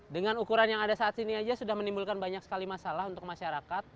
dengan ukuran yang ada saat ini saja sudah menimbulkan banyak sekali masalah untuk masyarakat